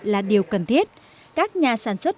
là điều cần thiết các nhà sản xuất